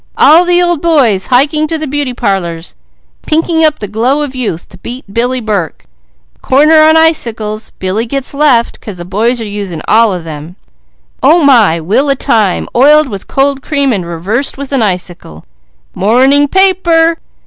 "All the old boys hiking to the beauty parlours. Pinking up the glow of youth to beat Billie Burke. Corner on icicles; Billie gets left, 'cause the boys are using all of them! Oh my! Wheel o' time oiled with cold cream and reversed with an icicle! Morning paper!